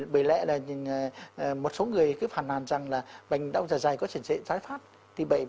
bởi lẽ là một số người cứ phản hàn rằng là bệnh đau giả dày có thể sẽ trái phát